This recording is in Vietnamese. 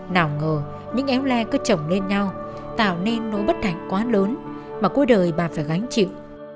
nào ngờ những éo le cứ trồng lên nhau tạo nên nỗi bất hạnh quá lớn mà cuối đời bà phải gánh chịu